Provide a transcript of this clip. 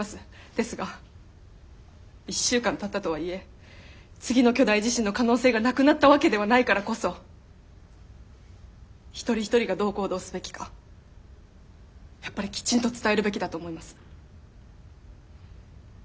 ですが１週間たったとはいえ次の巨大地震の可能性がなくなったわけではないからこそ一人一人がどう行動すべきかやっぱりきちんと伝えるべきだと思います。